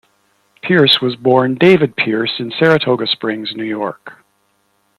Pierce was born David Pierce in Saratoga Springs, New York.